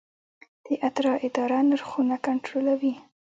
د اترا اداره نرخونه کنټرولوي؟